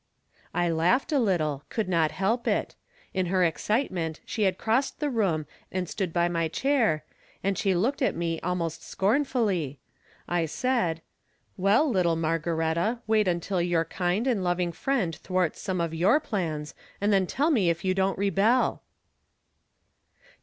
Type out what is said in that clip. I laughed a little — I could not help it. In her excitement she had crossed the room and stood by my chair, and she looked at me almost scorn fully. I said :" Well, little Margaretta, wait until your kind and loving Friend thwarts some of your plans, then tell me if you don't rebel."